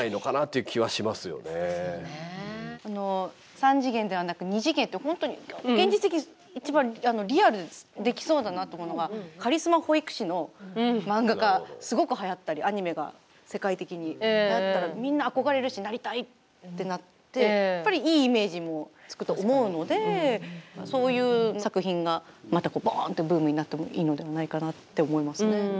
３次元ではなく２次元って本当に現実的に一番リアルにできそうだなと思うのがカリスマ保育士の漫画がすごくはやったりアニメが世界的にはやったらみんな憧れるしなりたい！ってなってそういう作品がまたボンッてブームになってもいいのではないかなって思いますね。